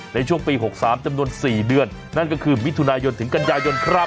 ในช่วงปี๖๓จำนวน๔เดือนนั่นก็คือมิถุนายนถึงกันยายนครับ